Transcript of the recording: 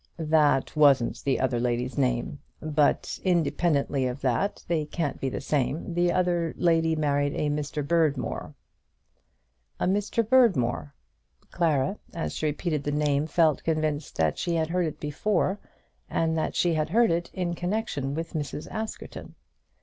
"That wasn't the other lady's name. But, independently of that, they can't be the same. The other lady married a Mr. Berdmore." "A Mr. Berdmore!" Clara as she repeated the name felt convinced that she had heard it before, and that she had heard it in connection with Mrs. Askerton.